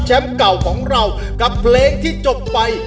เก่าของเรากับเพลงที่จบไป